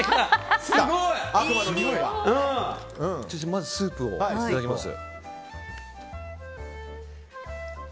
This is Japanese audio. まずスープをいただきます。